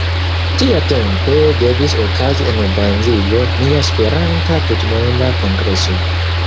Tiatempe devis okazi en Danzigo nia esperanta tutmonda Kongreso.